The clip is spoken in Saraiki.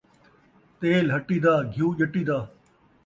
تیل ہٹی دا، گھیو ڄٹی دا